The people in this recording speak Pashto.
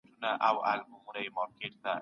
علمي څېړنه د ټولنې د پرمختګ لپاره خورا اړینه ده.